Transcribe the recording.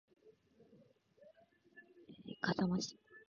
笠間市